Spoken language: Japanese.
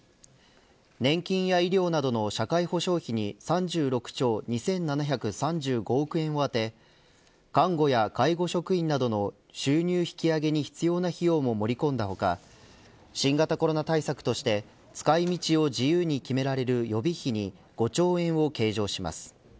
年金や医療などの社会保障費に３６兆２７３５億円を充て看護や介護職員などの収入引き上げに必要な費用も盛り込んだ他新型コロナウイルス対策として使い道を自由に決められる予備費に５兆円を計上します。